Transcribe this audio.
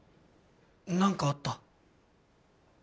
何かあった？